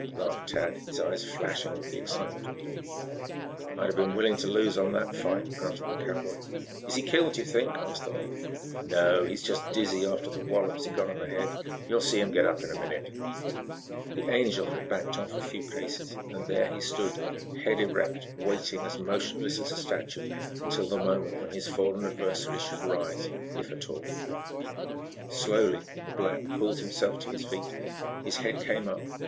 laughed Tad, his eyes flashing with the excitement of it all. "I'd been willing to lose on that fight," grunted the cowboy. "Is he killed, do you think?" asked the lad. "No; he's just dizzy after the wallops he got on the head. You'll see him get up in a minute." The Angel had backed off a few paces and there he stood, head erect, waiting as motionless as a statue until the moment when his fallen adversary should rise, if at all. Slowly the black pulled himself to his feet. His head came up.